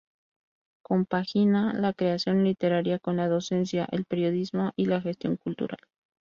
Compagina la creación literaria con la docencia, el periodismo y la gestión cultural.